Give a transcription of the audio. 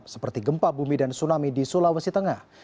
seperti gempa bumi dan tsunami di sulawesi tengah